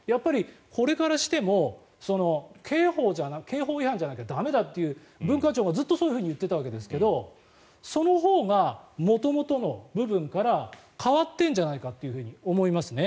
これからしても刑法違反じゃなきゃ駄目だと文化庁がずっとそう言っていたわけですけどそのほうが元々の部分から変わっているんじゃないかと思いますね。